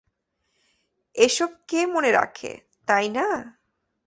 এসব কে মনে রাখে, তাই না?